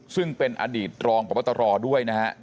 ซึ่งเป็นอดีตรองพบตรด้วยนะฮะ